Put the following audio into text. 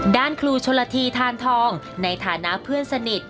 ด้านครูชนละทีทานทองในฐานะเพื่อนสนิท